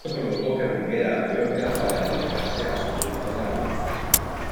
Esto provocó que volviera a Mallorca para dedicarse a su diccionario.